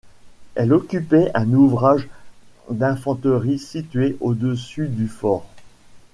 Elle occupait un ouvrage d’infanterie situé au-dessus du fort.